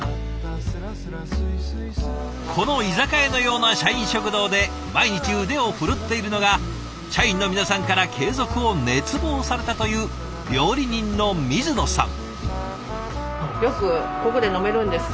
この居酒屋のような社員食堂で毎日腕を振るっているのが社員の皆さんから継続を熱望されたという料理人の水野さん。